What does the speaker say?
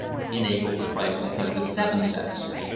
In April the price was cut to 7 cents.